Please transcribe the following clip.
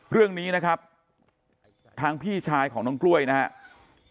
เรื่องนี้นะครับทางพี่ชายของน้องกล้วยนะครับ